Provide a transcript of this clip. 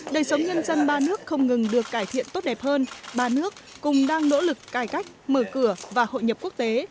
đời sống nhân dân ba nước không ngừng được cải thiện tốt đẹp hơn ba nước cùng đang nỗ lực cải cách mở cửa và hội nhập quốc tế